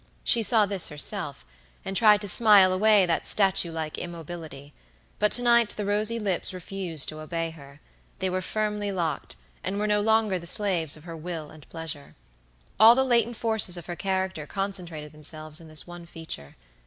She saw this herself, and tried to smile away that statue like immobility: but to night the rosy lips refused to obey her; they were firmly locked, and were no longer the slaves of her will and pleasure. All the latent forces of her character concentrated themselves in this one feature.